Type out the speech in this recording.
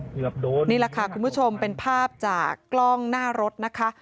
โดนนี่แหละค่ะคุณผู้ชมเป็นภาพจากกล้องหน้ารถนะคะ